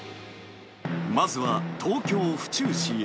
まずは東京・府中市へ。